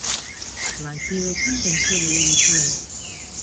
Lankideekin tentsio gehiegi zuen.